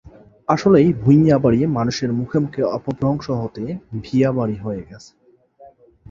আসলে ‘ভুঁইয়া বাড়ি’ মানুষের মুখে মুখে অপভ্রংশ হতে হতে ‘ভিয়া বাড়ি’ হয়ে গেছে।